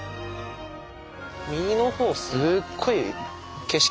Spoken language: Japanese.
右の方すっごい景色